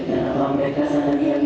dan alam mereka sangat nyari